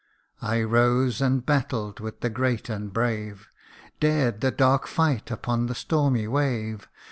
I rose and battled with the great and brave, Dared the dark fight upon the stormy wave.